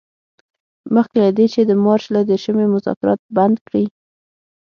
مخکې له دې چې د مارچ له دیرشمې مذاکرات بند کړي.